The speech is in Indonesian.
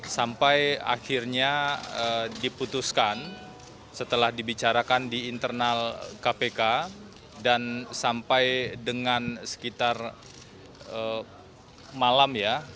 sampai akhirnya diputuskan setelah dibicarakan di internal kpk dan sampai dengan sekitar malam ya